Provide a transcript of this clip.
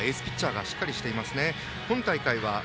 エースピッチャーがしっかりしていますね。